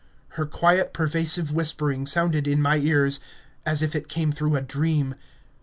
Her quiet persuasive whispering sounded in my ears as if it came through a dream...